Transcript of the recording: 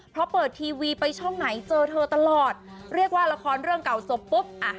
เพราะเปิดทีวีไปช่องไหนเจอเธอตลอดเรียกว่าละครเรื่องเก่าศพปุ๊บอ่ะ